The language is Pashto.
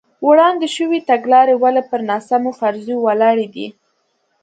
وړاندې شوې تګلارې ولې پر ناسمو فرضیو ولاړې دي.